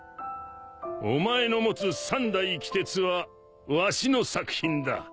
お前の持つ三代鬼徹はわしの作品だ。